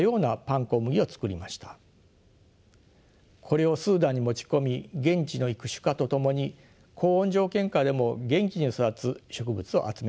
これをスーダンに持ち込み現地の育種家と共に高温条件下でも元気に育つ植物を集めました。